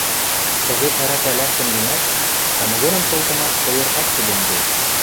Совет ӓрӓкӓ лӓктӹн гӹнят, самогоным шолтымаш пыйыртат чӹдемде.